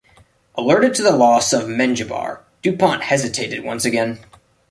Alerted to the loss of Mengibar, Dupont hesitated once again.